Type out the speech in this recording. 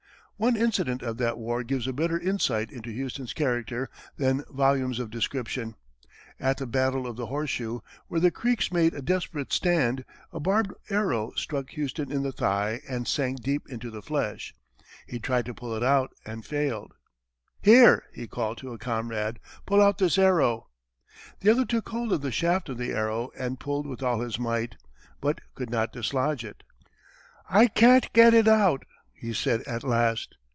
One incident of that war gives a better insight into Houston's character than volumes of description. At the battle of the Horseshoe, where the Creeks made a desperate stand, a barbed arrow struck Houston in the thigh and sank deep into the flesh. He tried to pull it out and failed. "Here," he called to a comrade, "pull out this arrow." The other took hold of the shaft of the arrow and pulled with all his might, but could not dislodge it. "I can't get it out," he said, at last.